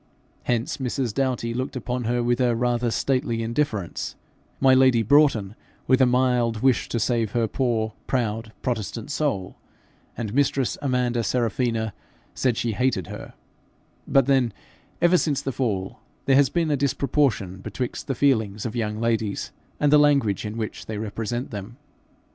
Hence Mrs. Doughty looked upon her with a rather stately, indifference, my lady Broughton with a mild wish to save her poor, proud, protestant soul, and mistress Amanda Serafina said she hated her; but then ever since the Fall there has been a disproportion betwixt the feelings of young ladies and the language in which they represent them.